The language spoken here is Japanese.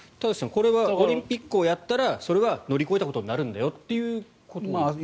これはオリンピックをやったらそれは乗り越えたことになるんだよっていうことなんですか？